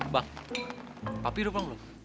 bang papi udah pulang belum